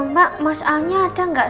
mbak masalnya ada gak